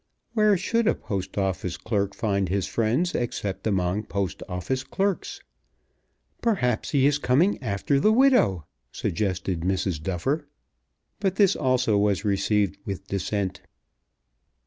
Where should a Post Office clerk find his friends except among Post Office clerks? "Perhaps he is coming after the widow," suggested Mrs. Duffer. But this also was received with dissent.